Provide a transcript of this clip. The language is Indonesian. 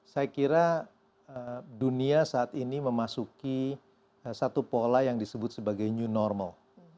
saya kira dunia saat ini memasuki satu pola yang disebut sebagai new normal